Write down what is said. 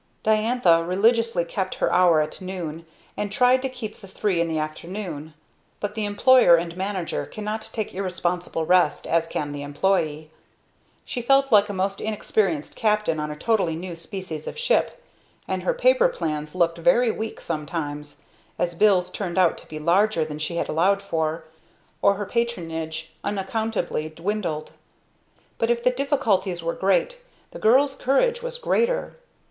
Diantha religiously kept her hour at noon, and tried to keep the three in the afternoon; but the employer and manager cannot take irresponsible rest as can the employee. She felt like a most inexperienced captain on a totally new species of ship, and her paper plans looked very weak sometimes, as bills turned out to be larger than she had allowed for, or her patronage unaccountably dwindled. But if the difficulties were great, the girl's courage was greater.